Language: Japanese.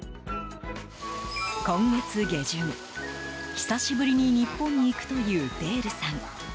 今月下旬、久しぶりに日本に行くというデールさん。